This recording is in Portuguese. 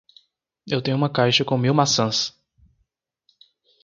Eu tenho uma caixa com mil maçãs